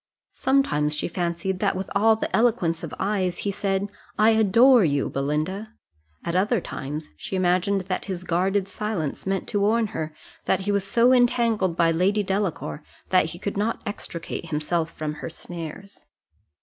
Sometimes she fancied, that with all the eloquence of eyes he said, "I adore you, Belinda;" at other times she imagined that his guarded silence meant to warn her that he was so entangled by Lady Delacour, that he could not extricate himself from her snares.